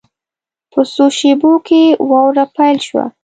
په څو شېبو کې واوره پیل شوه.